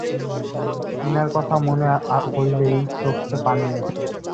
Inner কথা মনে হইলেই চউক্ষে পানি আসে।